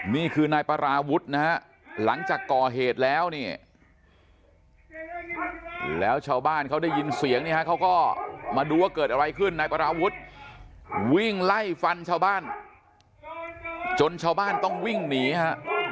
นี่คือนายปราวุฒินะฮะหลังจากก่อเหตุแล้วเนี่ยแล้วชาวบ้านเขาได้ยินเสียงเนี่ยฮะเขาก็มาดูว่าเกิดอะไรขึ้นนายปราวุฒิวิ่งไล่ฟันชาวบ้านจนชาวบ้านต้องวิ่งหนีฮะ